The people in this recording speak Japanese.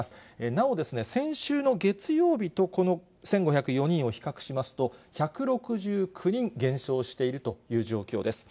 なお、先週の月曜日とこの１５０４人を比較しますと、１６９人減少しているという状況です。